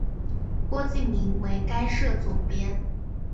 郭敬明为该社总编。